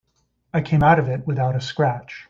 I came out of it without a scratch.